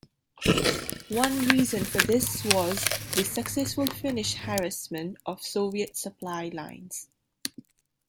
One reason for this was the successful Finnish harassment of Soviet supply lines.